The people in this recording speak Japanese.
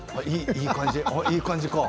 いい感じ。